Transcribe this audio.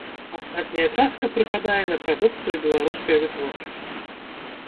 Астатняя частка прыпадае на прадукцыю беларускай вытворчасці.